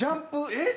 えっ？